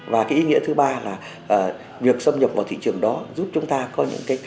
và ý nghĩa thứ ba là việc xâm nhập vào thị trường đó giúp chúng ta có những năng lượng